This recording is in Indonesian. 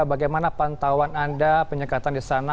bagaimana pantauan anda penyekatan di sana